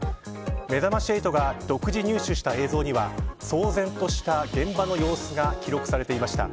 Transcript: めざまし８が独自に収集した映像には騒然とした現場の様子が記録されていました。